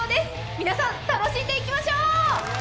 皆さん、楽しんでいきましょう！